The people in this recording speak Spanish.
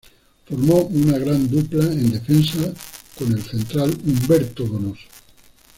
Formó una gran dupla en defensa con el central Humberto Donoso.